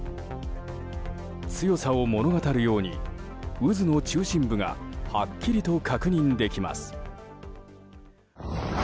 強さを物語るように渦の中心部がはっきりと確認できます。